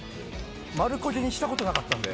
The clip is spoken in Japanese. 「丸焦げにした事なかったんで」